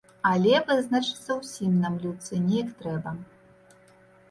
Але вызначацца ўсім нам, людцы, неяк трэба.